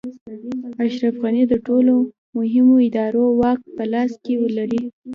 اشرف غني د ټولو مهمو ادارو واک په لاس کې لري.